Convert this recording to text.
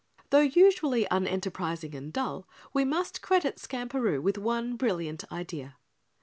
Though usually unenterprising and dull, we must credit Skamperoo with one brilliant idea.